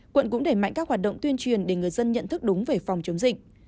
quận cũng đẩy mạnh các hoạt động tuyên truyền để người dân nhận thức đúng về phòng chống dịch